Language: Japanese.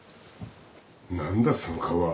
何だその顔は。